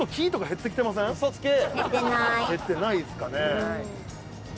減ってないですかね。